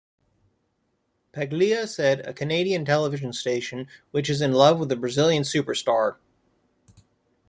Paglia said, a Canadian television station, which is in love with a Brazilian superstar.